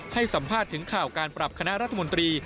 ให้สัมภาษณ์ถึงข่าวการปรับคณะรัฐมนตรี